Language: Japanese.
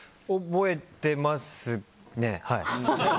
覚えてますね。